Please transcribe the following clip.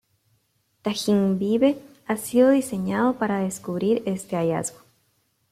Tajín Vive ha sido diseñado para descubrir este hallazgo.